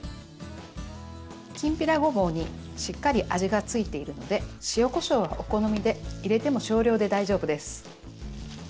きんぴらごぼうにしっかり味がついているので塩こしょうはお好みで入れても少量で大丈夫です。